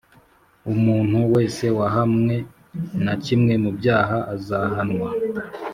umuntu wese wahamwe na kimwe mu byaha azahanwa